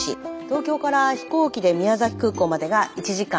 東京から飛行機で宮崎空港までが１時間４０分。